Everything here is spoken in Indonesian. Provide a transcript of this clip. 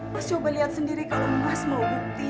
mas coba lihat sendiri kalau mas mau bukti